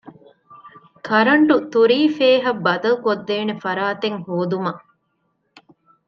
ކަރަންޓް ތުރީފޭހަށް ބަދަލުކޮށްދޭނެ ފަރާތެއް ހޯދުމަށް